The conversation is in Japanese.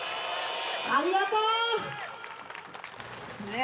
ありがとう！ねぇ